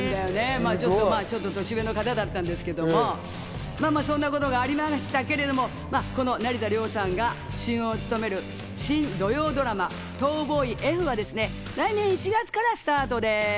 ちょっと年上の方だったんですけれども、そんなことがありましたけど、成田凌さんが主演を務める新土曜ドラマ『逃亡医Ｆ』は来年１月からスタートです。